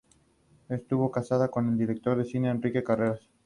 Estuvo casada con el director de cine Enrique Carreras.